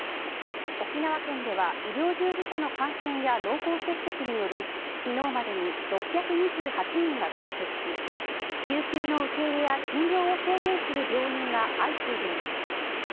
沖縄県では医療従事者の感染や濃厚接触により昨日までに６２８人が休職し救急の受け入れや診療を制限する病院が相次いでいます。